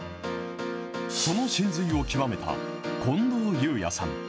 その神髄を極めた近藤佑哉さん。